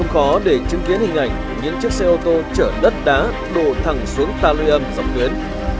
có để chứng kiến hình ảnh những chiếc xe ô tô chở đất đá đổ thẳng xuống tà lươi âm dòng tuyến